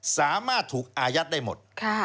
สามารถถูกอายัดได้หมด